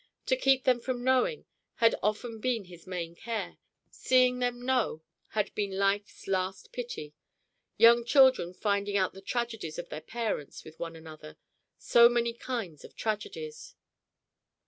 To keep them from knowing had often been his main care; seeing them know had been life's last pity; young children finding out the tragedies of their parents with one another so many kinds of tragedies.